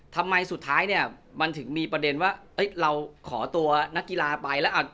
ทำไมสุดท้ายเนี่ยมันถึงมีประเด็นว่าเราขอตัวนักกีฬาไปแล้วอ่ะ